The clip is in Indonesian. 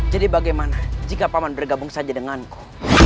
jadi bagaimana jika paman bergabung saja denganku